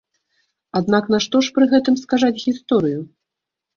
Аднак нашто ж пры гэтым скажаць гісторыю?